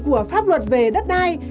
của pháp luật về đất đai